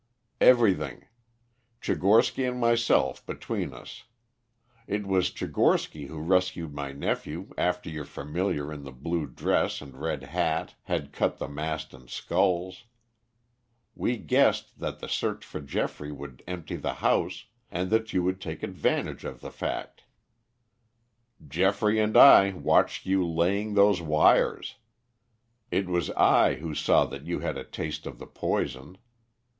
"Everything; Tchigorsky and myself between us. It was Tchigorsky who rescued my nephew after your familiar in the blue dress and red hat had cut the mast and sculls. We guessed that the search for Geoffrey would empty the house, and that you would take advantage of the fact. "Geoffrey and I watched you laying those wires. It was I who saw that you had a taste of the poison.